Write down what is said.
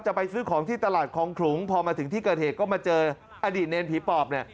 จะไปซื้อของที่ตลาดของขลุงพอมาถึงที่กระเทศก็มาเจออดีตเนรนด์ผีปอบ